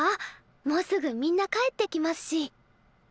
もうすぐみんな帰ってきますし。